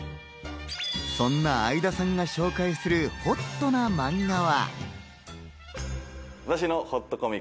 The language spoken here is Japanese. そんな相田さんが紹介する、ほっとなマンガは。